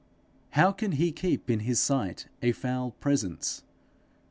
How can he keep in his sight a foul presence?